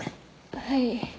はい。